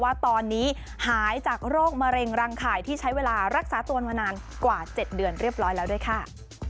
ว่าตอนนี้หายจากโรคมะเร็งรังข่ายที่ใช้เวลารักษาตัวมานานกว่า๗เดือนเรียบร้อยแล้วด้วยค่ะ